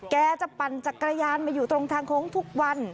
แกจะปั่นจักรยานมาอยู่ตรงทางโค้งทุกวัน